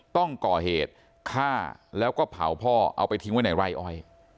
ต้องก่อเหตุฆ่าแล้วก็เผาพ่อเอาไปทิ้งไว้ในไร่อ้อย